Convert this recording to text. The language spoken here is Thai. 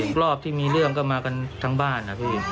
รอบที่มีเรื่องก็มากันทั้งบ้านนะพี่